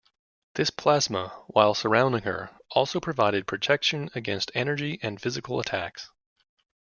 This plasma, while surrounding her, also provided protection against energy and physical attacks.